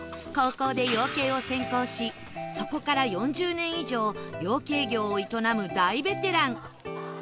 高校で養鶏を専攻しそこから４０年以上養鶏業を営む大ベテラン